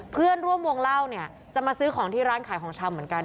เพื่อนร่วมวงเล่าเนี่ยจะมาซื้อของที่ร้านขายของชำเหมือนกัน